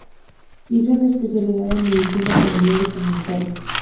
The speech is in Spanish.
Hizo la especialidad en Medicina Familiar y Comunitaria